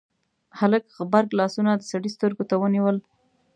هلک غبرګ لاسونه د سړي سترګو ته ونيول: